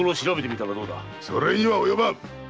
それには及ばん！